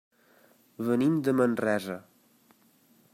Venim de Manresa.